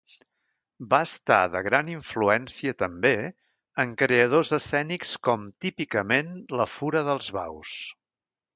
Va estar de gran influència també en creadors escènics com típicament La Fura dels Baus.